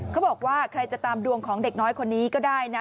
เขาบอกว่าใครจะตามดวงของเด็กน้อยคนนี้ก็ได้นะ